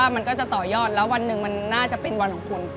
มันก็จะต่อยอดแล้ววันหนึ่งมันน่าจะเป็นวันของคุณ